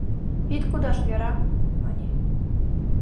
— Ит кудаш, Вера, — мане.